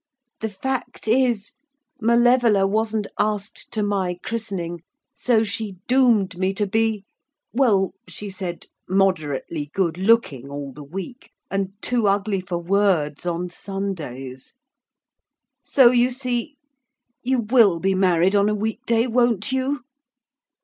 The fact is Malevola wasn't asked to my christening so she doomed me to be ... well, she said "moderately good looking all the week, and too ugly for words on Sundays." So you see! You will be married on a week day, won't you?'